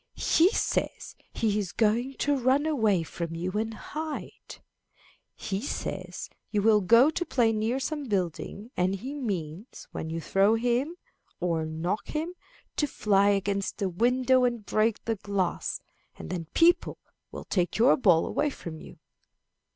"He says he is going to run away from you and hide. He says you will go to play near some building, and he means, when you throw him or knock him, to fly against the windows and break the glass, and then people will take your ball away from you."